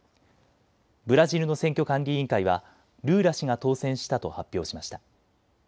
ブラジルの選挙管理委員会はルーラ氏が当選したと発表しました。